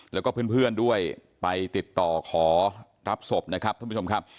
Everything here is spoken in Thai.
แล้วก็เพื่อนด้วยไปติดต่อขอรับศพนะครับท่านผู้ชมครับ